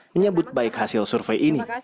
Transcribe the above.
menyambut baik hasil survei ini